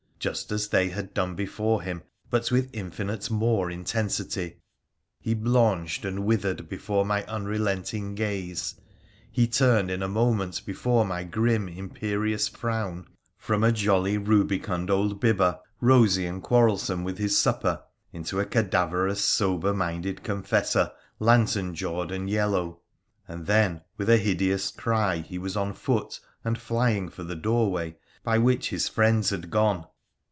Just as they had done before him, but with infinite more intensity, he blanched and withered before my unrelenting gaze, he turned in a moment before my grim, imperious frown, from a jolty) rubicund old bibber, rosy Ii8 WONDERFUL ADVENTURES OF and quarrelsome with his supper, into a cadaverous, sober minded confessor, lantern jawed and yellow — and then with a hideous cry he was on foot and flying for the doorway by which his friends had gone